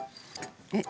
えっ？